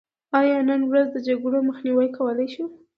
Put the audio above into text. آیا نن ورځ د جګړو مخنیوی کولی شو؟